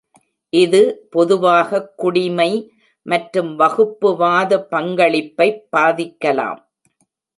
இது பொதுவாகக் குடிமை மற்றும் வகுப்புவாத பங்களிப்பைப் பாதிக்கலாம்.